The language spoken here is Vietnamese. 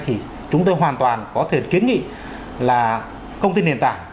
thì chúng tôi hoàn toàn có thể kiến nghị là công ty nền tảng